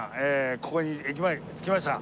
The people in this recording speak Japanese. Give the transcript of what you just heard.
ここに駅前着きました。